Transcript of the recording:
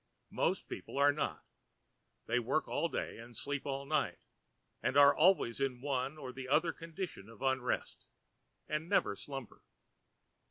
Most people are not: they work all day and sleep all night—are always in one or the other condition of unrest, and never slumber.